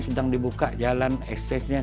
sedang dibuka jalan eksesnya